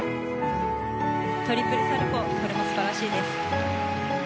トリプルサルコウこれも素晴らしいです。